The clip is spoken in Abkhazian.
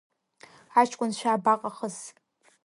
Ҳаҷкәынцәа абаҟахыз…